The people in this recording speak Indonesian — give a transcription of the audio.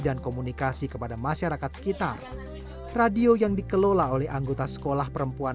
dan komunikasi kepada masyarakat sekitar radio yang dikelola oleh anggota sekolah perempuan